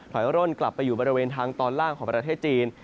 ร่นกลับไปอยู่บริเวณทางตอนล่างของประเทศจีน